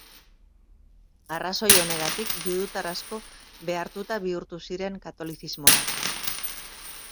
Arrazoi honegatik, judutar asko behartuta bihurtu ziren katolizismora.